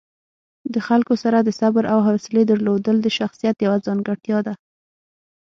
د خلکو سره د صبر او حوصلې درلودل د شخصیت یوه ځانګړتیا ده.